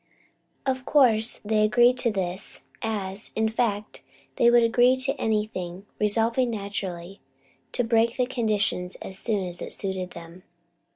Of course they agreed to this, as, in fact, they would agree to anything, resolving, naturally, to break the conditions as soon as it suited them.